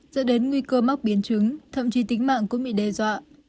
dẫn đến nguy cơ mắc biến chứng thậm chí tính mạng cũng bị đe dọa